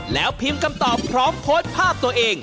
แล้วพิมพ์คำตอบพร้อมโพสต์ภาพตัวเอง